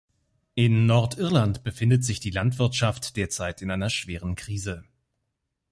In Nordirland befindet sich die Landwirtschaft derzeit in einer schweren Krise.